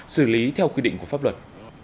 xử lý theo quy định của pháp luật